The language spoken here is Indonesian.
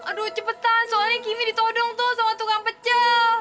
aduh cepetan soalnya kimmy ditodong tuh sama tukang pecel